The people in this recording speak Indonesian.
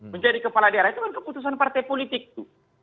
menjadi kepala daerah itu kan keputusan partai politik tuh